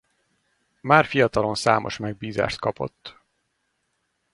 Már fiatalon számos megbízást kapott.